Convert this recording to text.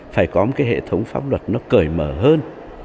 phải có một cái hệ thống pháp luật nó cởi mở hơn